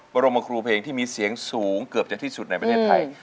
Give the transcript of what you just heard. บรมครูเพลงที่มีเสียงสูงเกือบจะที่สุดในประเทศไทย